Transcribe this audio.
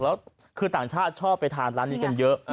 แล้วคือต่างชาติชอบไปทานร้านนี้กันเยอะ